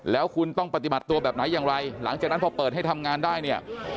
แล้วคุณต้องปฏิบัติตัวแบบไหนอย่างไรหลังจากนั้นพอเปิดให้ทำงานได้เนี่ย